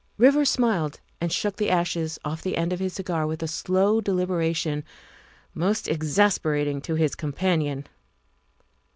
Rivers smiled and shook the ashes off the end of his 282 THE WIFE OF cigar with a slow deliberation most exasperating to his companion.